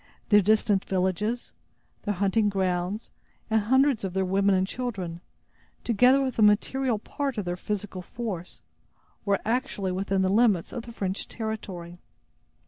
Their distant villages, their hunting grounds and hundreds of their women and children, together with a material part of their physical force, were actually within the limits of the French territory.